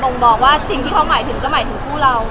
บอกว่าสิ่งที่เขาหมายถึงก็หมายถึงผู้เรา